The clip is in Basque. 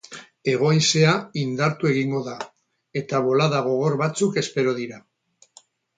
Hego-haizea indartu egingo da eta bolada gogor batzuk espero dira.